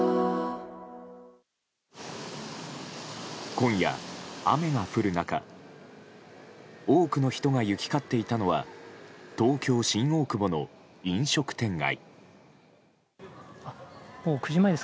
今夜、雨が降る中多くの人が行き交っていたのは東京・新大久保の飲食店街。